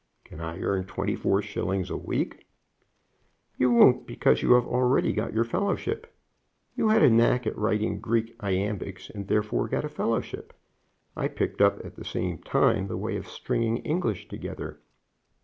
"Can I earn twenty four shillings a week?" "You won't because you have already got your fellowship. You had a knack at writing Greek iambics, and therefore got a fellowship. I picked up at the same time the way of stringing English together.